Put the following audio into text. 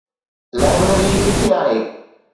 Library ڪٿي آهي؟